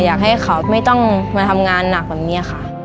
อยากให้เขาไม่ต้องมาทำงานหนักแบบนี้ค่ะ